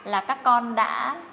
là các con đã